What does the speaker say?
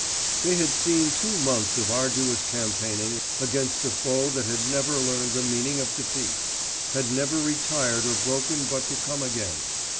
They had seen two months of arduous campaigning against a foe that had never learned the meaning of defeat; had never retired or broken but to come again.